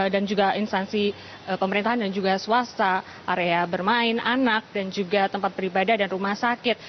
juga instansi pemerintahan dan juga swasta area bermain anak dan juga tempat beribadah dan rumah sakit